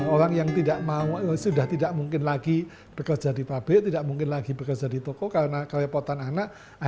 orang yang sudah tidak mungkin lagi bekerja di pabrik tidak mungkin lagi bekerja di toko karena kerepotan anak akhirnya pekerjaan membatik